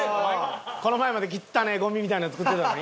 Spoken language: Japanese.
この前まで汚えゴミみたいなの作ってたのに？